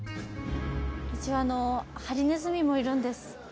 一応あのハリネズミもいるんです